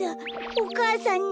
お母さんに！